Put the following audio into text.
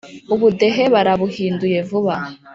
ubudehe barabuhinduye vuba